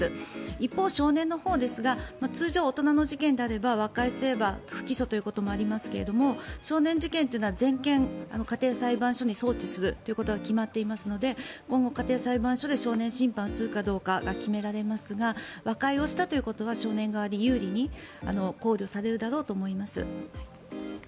一方、少年のほうですが通常、大人の事件であれば和解すれば不起訴ということもありますけれど少年事件というのは全件、家庭裁判所に送致するということが決まっていますので今後、家庭裁判所で少年審判をするかどうかが決められますが和解をしたということは少年側に有利に考慮されるだろうと思います。